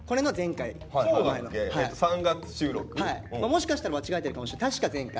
もしかしたら間違えてるかも確か前回。